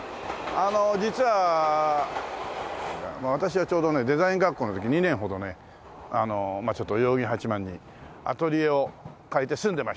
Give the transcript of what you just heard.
あの実は私がちょうどねデザイン学校の時２年ほどねちょっと代々木八幡にアトリエを借りて住んでました。